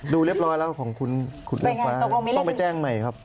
ดูเรียบร้อยแล้วของคุณขุดลงฟ้าต้องไปแจ้งใหม่ครับ